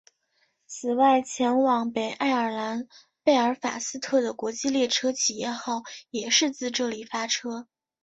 此外前往北爱尔兰贝尔法斯特的国际列车企业号也是自这里发车。